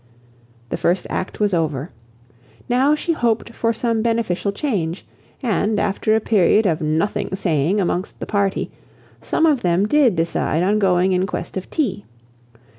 The first act was over. Now she hoped for some beneficial change; and, after a period of nothing saying amongst the party, some of them did decide on going in quest of tea.